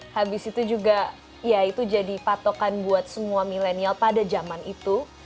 habis itu juga ya itu jadi patokan buat semua milenial pada zaman itu